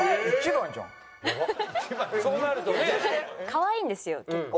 かわいいんですよ結構。